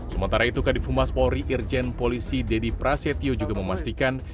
sementara itu kadif humas polri irjen polisi deddy prasetyo juga memastikan